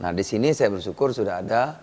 nah di sini saya bersyukur sudah ada